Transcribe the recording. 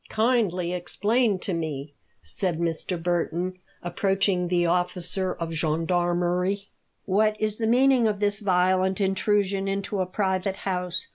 "Kindly explain to me," said Mr. Burton, approaching the officer of gendarmerie, "what is the meaning of this violent intrusion into a private house?